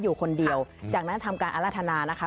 อยู่คนเดียวจากนั้นทำการอรรถนานะคะ